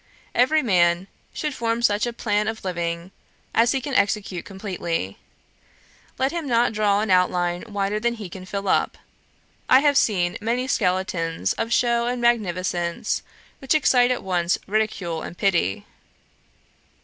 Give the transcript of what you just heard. Every man should form such a plan of living as he can execute completely. Let him not draw an outline wider than he can fill up. I have seen many skeletons of shew and magnificence which excite at once ridicule and pity.